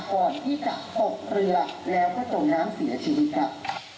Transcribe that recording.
ก่อนที่จะตกเรือแล้วก็จมน้ำเสียชีวิตครับ